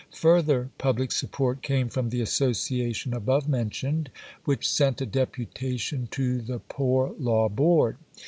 Further public support came from the Association above mentioned (p. 124), which sent a deputation to the Poor Law Board.